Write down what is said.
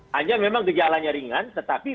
hanya memang gejalanya ringan tetapi